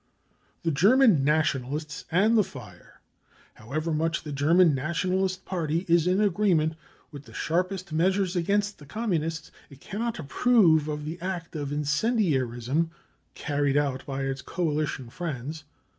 The German Nationalists and the Fire. * However much the German Nationalist Party is in agreement with the sharpest measures against the Communists, it cannot approve of the act of incendiarism carried out by its coalition friends.